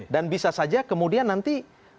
bisa saja kemudian nanti